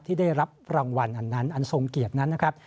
ที่ได้รับรางวัลอันนั้นอันทรงเกียรตินั้นนะครับ